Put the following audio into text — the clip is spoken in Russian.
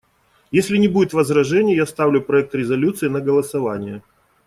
Если не будет возражений, я ставлю проект резолюции на голосование.